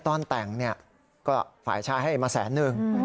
ตอนแต่งเนี่ยก็ฝ่ายชายให้มาแสนนึง